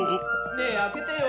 ねえあけてよ。